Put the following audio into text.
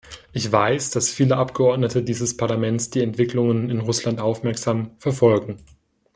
Ich weiß, dass viele Abgeordnete dieses Parlaments die Entwicklungen in Russland aufmerksam verfolgen.